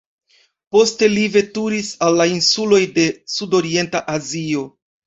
Poste li veturis al la insuloj de Sudorienta Azio.